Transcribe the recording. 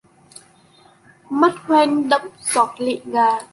Mắt hoen đẫm giọt lệ ngà